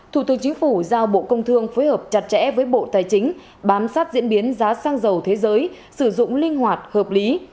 thủ tướng chính phủ giao bộ công thương phối hợp chặt chẽ với bộ tài chính bám sát diễn biến giá xăng dầu thế giới sử dụng linh hoạt hợp lý